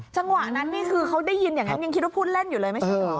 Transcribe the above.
จังหวะนั้นนี่คือเขาได้ยินอย่างนั้นยังคิดว่าพูดเล่นอยู่เลยไม่ใช่เหรอ